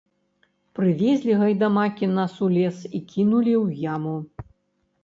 Прывезлі гайдамакі нас у лес і кінулі ў яму.